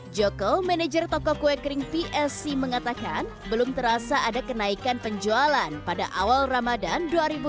joko manager toko kue kering psc mengatakan belum terasa ada kenaikan penjualan pada awal ramadan dua ribu dua puluh